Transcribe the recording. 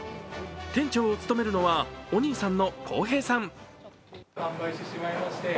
店長を務めるのはお兄さんの晃平さん。